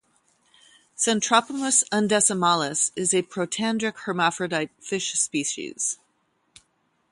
"Centropumis undecimalis" is a protandric hermaphrodite fish species.